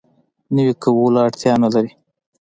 نوی کولو اړتیا نه لري.